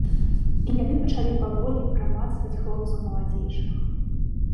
І яны пачалі паволі прамацваць хлопцаў маладзейшых.